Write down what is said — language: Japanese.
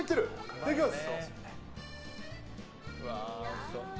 いただきます。